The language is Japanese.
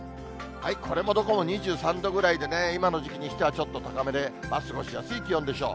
これもどこも２３度ぐらいでね、今の時期にしてはちょっと高めで、過ごしやすい気温でしょう。